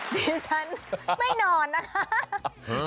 ดิฉันไม่นอนนะคะ